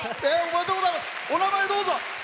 お名前をどうぞ。